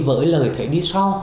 với lời thế đi sau